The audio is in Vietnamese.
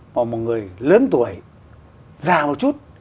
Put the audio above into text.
một người lớn tuổi già một chút